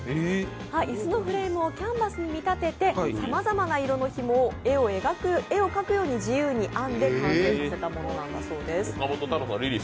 椅子のフレームをキャンバスに見立てて、さまざまな色のひもを絵を描くように自由に編んで完成させたものだそうです。